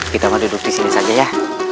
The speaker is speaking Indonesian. kita mau duduk di sini saja ya